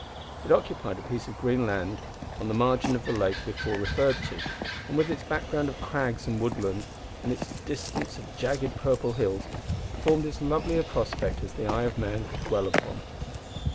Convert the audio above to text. It occupied a piece of green level land on the margin of the lake before referred to, and, with its background of crag and woodland and its distance of jagged purple hills, formed as lovely a prospect as the eye of man could dwell upon.